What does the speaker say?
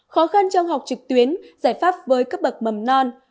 khó khăn trong học trực tuyến giải pháp với các bậc mầm non